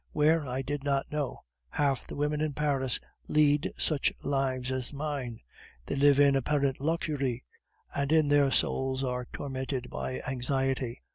where, I did not know. Half the women in Paris lead such lives as mine; they live in apparent luxury, and in their souls are tormented by anxiety.